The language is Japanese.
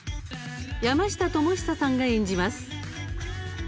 山下智久さんが演じます。